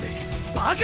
バカ！